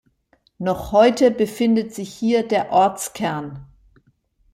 Noch heute befindet sich hier der Ortskern.